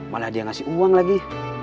malah dia ngasih uang lagi